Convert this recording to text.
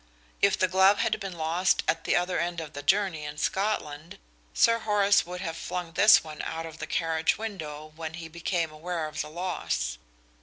If the glove had been lost at the other end of the journey in Scotland Sir Horace would have flung this one out of the carriage window when he became aware of the loss.